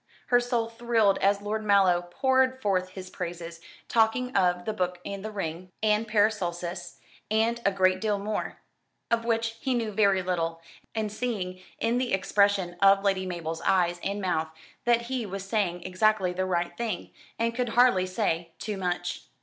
Her soul thrilled as Lord Mallow poured forth his praises; talking of "The Book and the Ring," and "Paracelsus," and a great deal more, of which he knew very little, and seeing in the expression of Lady Mabel's eyes and mouth that he was saying exactly the right thing, and could hardly say too much.